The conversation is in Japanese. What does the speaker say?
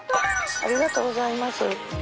ありがとうございます。